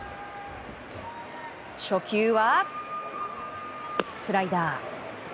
初球は、スライダー。